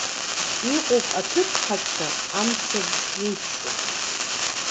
Иҟоуп аҭыԥҳацәа амцабз еиԥшу.